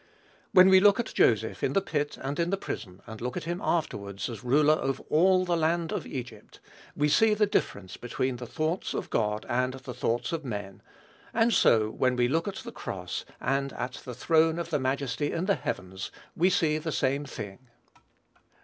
When we look at Joseph in the pit and in the prison, and look at him afterwards as ruler over all the land of Egypt, we see the difference between the thoughts of God and the thoughts of men; and so when we look at the cross, and at "the throne of the majesty in the heavens," we see the same thing.